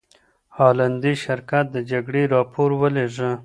هالندي شرکت د جګړې راپور ولیږه.